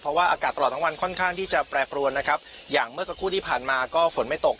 เพราะว่าอากาศตลอดทั้งวันค่อนข้างที่จะแปรปรวนนะครับอย่างเมื่อสักครู่ที่ผ่านมาก็ฝนไม่ตก